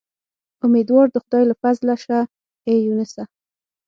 امیدوار د خدای له فضله شه اې یونسه.